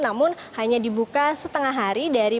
namun hanya dibuka setengah hari dari